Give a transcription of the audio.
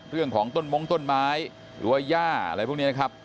เรื่องของต้นมงต้นไม้หรือว่าย่าอะไรพวกนี้นะครับ